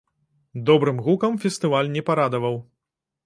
Добрым гукам фестываль не парадаваў.